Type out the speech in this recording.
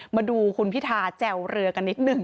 มาดูคุณพิธาแจ่วเรือกันนิดนึง